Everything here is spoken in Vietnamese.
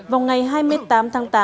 vòng ngày hai mươi tám tháng tám